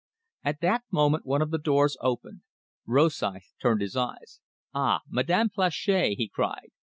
At that moment one of the doors was opened. Rosythe turned his eyes. "Ah, Madame Planchet!" he cried.